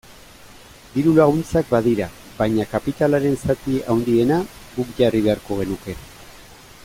Diru-laguntzak badira, baina kapitalaren zati handiena guk jarri beharko genuke.